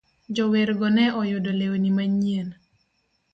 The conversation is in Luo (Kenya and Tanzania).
Jowergo ne oyudo lewni manyien.